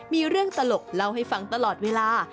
มีเรื่องตลกเล่าให้ฟังตลอดเวลา